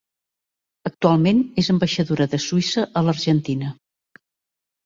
Actualment és ambaixadora de Suïssa a l'Argentina.